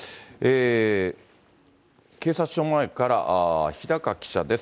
警察署前からひだか記者です。